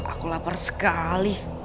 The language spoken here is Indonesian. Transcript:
aku lapar sekali